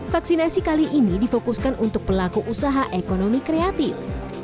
vaksinasi kali ini difokuskan untuk pelaku usaha ekonomi kreatif